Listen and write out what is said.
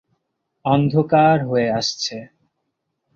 অন্ধকার হয়ে আসছে।